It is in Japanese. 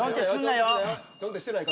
ちょんってしてないか？